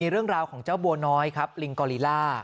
เรื่องราวของเจ้าบัวน้อยครับลิงกอลิล่า